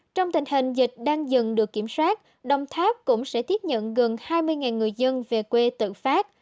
trong tình hình dịch đang dần được kiểm soát đồng tháp cũng sẽ tiếp nhận gần hai mươi người dân về quê tự phát